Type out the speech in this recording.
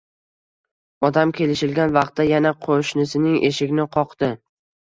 Odam kelishilgan vaqtda yana qoʻshnisining eshigini qoqdi